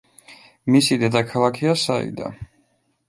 მისი დედაქალაქია საიდა.